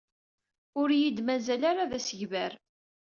Ur iyi-d-mazal ara d asegbar.